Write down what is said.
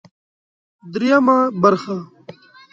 درېيمه برخه